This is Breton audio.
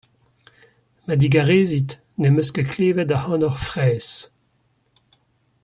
Ma digarezit, ne'm eus ket klevet ac'hanoc'h fraezh.